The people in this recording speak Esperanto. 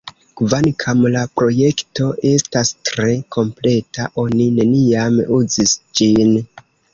Kvankam la projekto estas tre kompleta, oni neniam uzis ĝin.